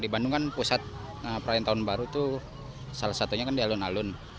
di bandung kan pusat perayaan tahun baru itu salah satunya kan di alun alun